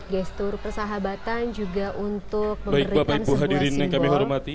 gestur persahabatan juga untuk memberikan sebuah simbol